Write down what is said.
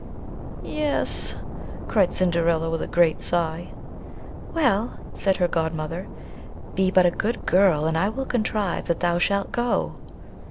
"Y es," cried Cinderilla, with a great sigh. "Well," said her godmother, "be but a good girl, and I will contrive that thou shalt go."